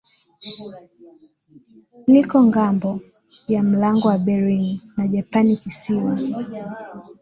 liko ngambo ya mlango wa Bering na Japani kisiwa